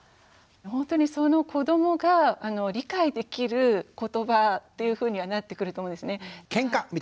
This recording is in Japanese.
ほんとにその子どもが理解できる言葉っていうふうにはなってくると思うんですね。